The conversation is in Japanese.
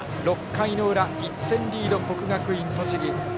６回の裏、１点リード国学院栃木。